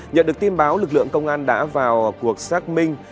nhận được tin báo lực lượng công an đã vào cuộc xác minh